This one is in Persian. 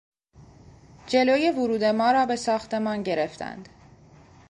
جلوی ورود ما را به ساختمان گرفتند.